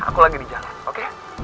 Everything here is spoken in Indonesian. aku lagi di jalan oke